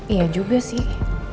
iya juga sih